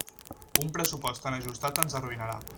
Un pressupost tan ajustat ens arruïnarà.